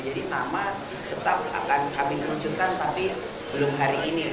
jadi nama tetap akan kami kerucutkan tapi belum hari ini